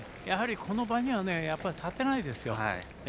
この場には立てないですよ。